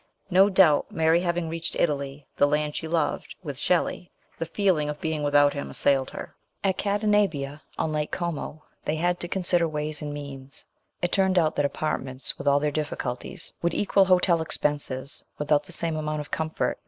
No doubt Mary having reached Italy, the land she loved, with Shelley, the feeling of being without him assailed her. At Cadenabia, on Lake Como, they had to consider ITALY REVISITED. 217 ways and means. It turned out that apartments, with all their difficulties, would equal hotel expenses with out the same amount of comfort.